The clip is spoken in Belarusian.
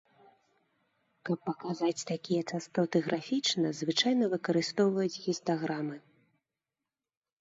Каб паказаць такія частоты графічна, звычайна выкарыстоўваюць гістаграмы.